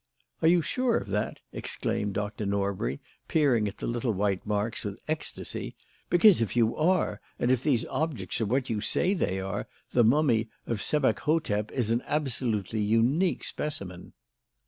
"Are you sure of that?" exclaimed Dr. Norbury, peering at the little white marks with ecstasy; "because, if you are, and if these objects are what you say they are, the mummy of Sebek hotep is an absolutely unique specimen."